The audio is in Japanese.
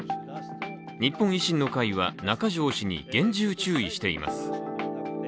日本維新の会は中条氏に厳重注意しています。